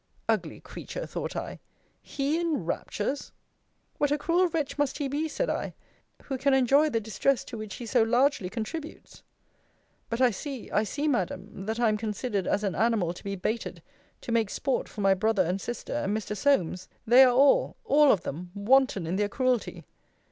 Ugly creature, thought I! He in raptures! What a cruel wretch must he be, said I, who can enjoy the distress to which he so largely contributes! But I see, I see, Madam, that I am considered as an animal to be baited, to make sport for my brother and sister, and Mr. Solmes. They are all, all of them, wanton in their cruelty.